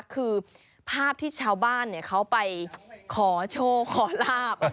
คือภาพที่ชาวบ้านเขาไปขอโชคขอลาบ